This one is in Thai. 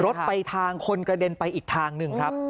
รถไปทางคนกระเด็นไปอีกทางหนึ่งครับ